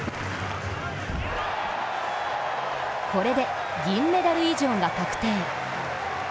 これで銀メダル以上が確定。